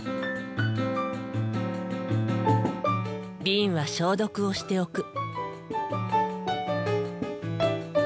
瓶は消毒をしておく。